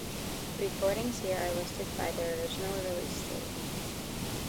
Recordings here are listed by their original release date.